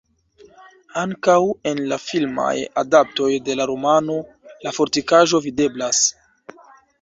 Ankaŭ en la filmaj adaptoj de la romano la fortikaĵo videblas.